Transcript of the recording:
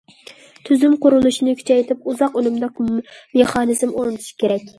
تۈزۈم قۇرۇلۇشىنى كۈچەيتىپ، ئۇزاق ئۈنۈملۈك مېخانىزم ئورنىتىش كېرەك.